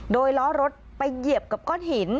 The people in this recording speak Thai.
โดยล้อรถไปเหยียบกับก้อนหิน